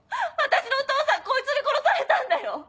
私のお父さんこいつに殺されたんだよ？